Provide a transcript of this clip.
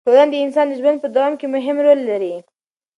ټولنه د انسان د ژوند په دوام کې مهم رول لري.